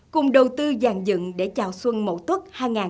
cùng đầu tư dàn dựng để chào xuân mẫu tuất hai nghìn một mươi tám